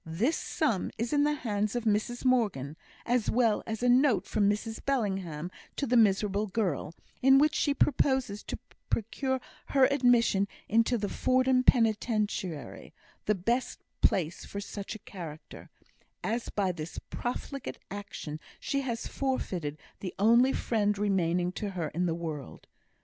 This sum is in the hands of Mrs Morgan, as well as a note from Mrs Bellingham to the miserable girl, in which she proposes to procure her admission into the Fordham Penitentiary, the best place for such a character, as by this profligate action she has forfeited the only friend remaining to her in the world.